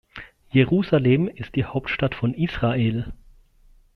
Jerusalem ist die Hauptstadt von Israel.